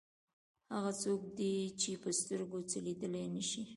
هغه څوک دی چې په سترګو څه لیدلی نه شي.